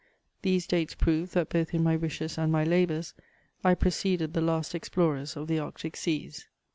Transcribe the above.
These dates prove that both in my wishes and my labours, I preceded the last explorers of the Arctic Seas.